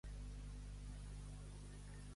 D'un escarabat en fa corrida.